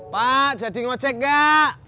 pak jadi ngocek gak